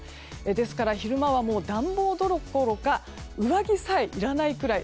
ですから、昼間は暖房どころか上着さえいらないくらい。